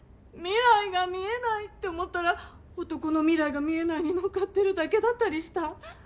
未来が見えないって思ったら男の未来が見えないにのっかってるだけだったりした。